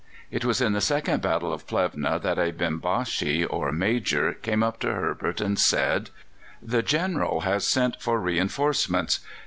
It was in the second battle of Plevna that a Bimbashi, or Major, came up to Herbert and said: "The General has sent for reinforcements.